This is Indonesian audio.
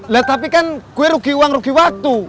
lah tapi kan gue rugi uang rugi waktu